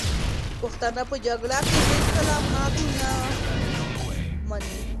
پښتانه په جګړه کې هېڅکله ماته نه مني.